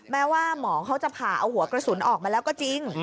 แม้ว่าหมอเขาจะผ่าเอาหัวกระสุนออกมาแล้วก็จริง